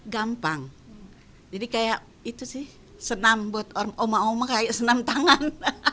gampang jadi kayak itu sih senam buat oma oma kayak senam tangan